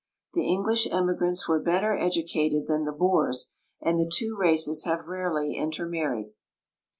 The English emigrants wen; better educated than the Boers, and the two races have rarely intermarried.